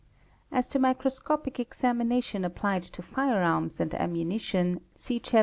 As to microscopic examination applied to Fire arms and Ammunition, see Chap.